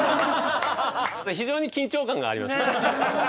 ただ非常に緊張感がありますね。